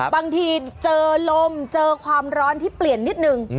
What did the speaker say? บางทีเจอลมเจอความร้อนที่เปลี่ยนนิดนึง